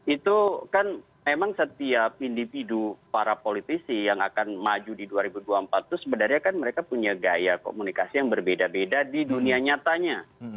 itu kan memang setiap individu para politisi yang akan maju di dua ribu dua puluh empat itu sebenarnya kan mereka punya gaya komunikasi yang berbeda beda di dunia nyatanya